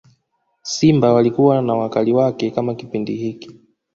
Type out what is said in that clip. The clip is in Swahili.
simba walikuwa na wakali wake kama Kipindi hiki